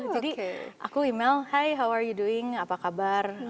jadi aku email hai apa kabar